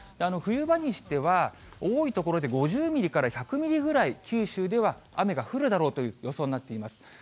冬場にしては、多い所で５０ミリから１００ミリぐらい、九州では雨が降るだろうという予想になっています。